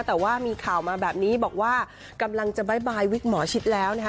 แต่ว่ามีข่าวมาแบบนี้บอกว่ากำลังจะบ๊ายวิกหมอชิดแล้วนะคะ